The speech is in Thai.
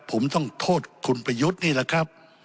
ผมต้องโทษคุณประยุทธ์นี่แหละครับ